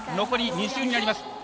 残り２周になります。